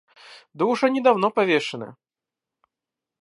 Да уж они давно повешены.